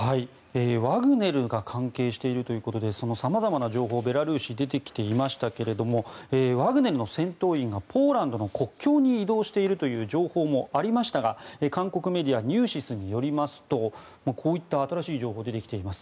ワグネルが関係しているということで様々な情報がベラルーシ、出てきていましたがワグネルの戦闘員がポーランドの国境に移動しているという情報もありましたが韓国メディアニューシスによりますとこういった新しい情報が出てきています。